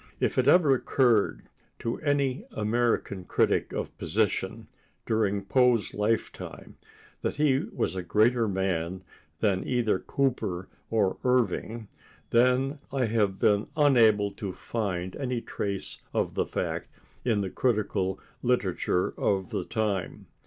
If it ever occurred to any American critic of position, during Poe's lifetime, that he was a greater man than either Cooper or Irving, then I have been unable to find any trace of the fact in the critical literature of the time.